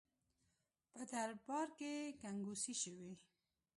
په دربار کې ګنګوسې شوې.